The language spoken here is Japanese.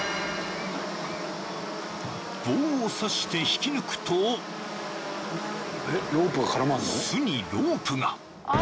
［棒を刺して引き抜くと巣にロープが］